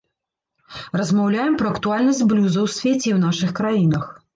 Размаўляем пра актуальнасць блюза ў свеце і ў нашых краінах.